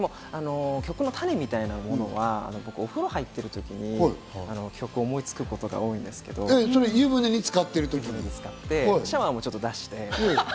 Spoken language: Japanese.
曲の種みたいなものは、お風呂に入っているときに曲を思いつくことが多いんですけど、湯船につかって、シャワーもちょっと出して。